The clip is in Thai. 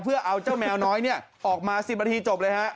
เพื่อเอาเจ้าแมวน้อยออกมา๑๐นาทีจบเลยฮะ